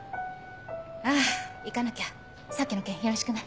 あ行かなきゃさっきの件よろしくね。